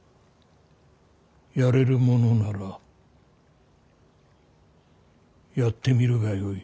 やれるものならやってみるがよい。